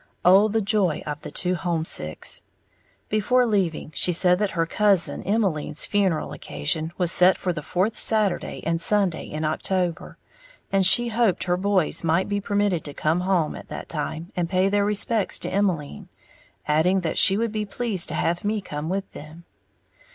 Oh the joy of the "two homesicks"! Before leaving, she said that her cousin Emmeline's funeral occasion was set for the fourth Saturday and Sunday in October, and she hoped her boys might be permitted to come home at that time and pay their respects to Emmeline, adding that she would be pleased to have me come with them.